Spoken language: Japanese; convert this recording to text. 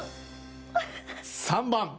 ３番。